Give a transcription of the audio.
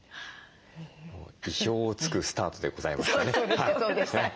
意表を突くスタートでございましたね。